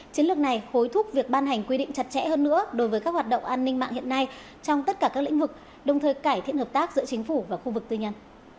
chiến lược này hối thúc việc ban hành quy định chặt chẽ hơn nữa đối với các hoạt động an ninh mạng hiện nay trong tất cả các lĩnh vực đồng thời cải thiện hợp tác giữa chính phủ và khu vực tư nhân